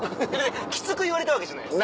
きつく言われたわけじゃないです。